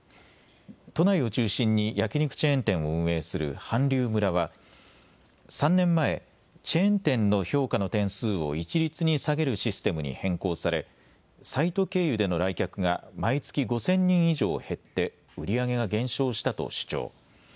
都内を中心に焼き肉チェーン店を運営する韓流村は３年前、チェーン店の評価の点数を一律に下げるシステムに変更され、サイト経由での来客が毎月５０００人以上減って売り上げが減少したと主張。